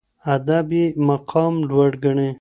ادب یې مقام لوړ ګڼي